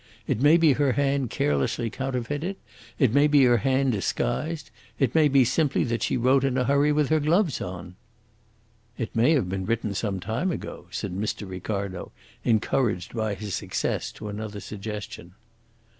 It may be her hand carelessly counterfeited. It may be her hand disguised. It may be simply that she wrote in a hurry with her gloves on." "It may have been written some time ago," said Mr. Ricardo, encouraged by his success to another suggestion.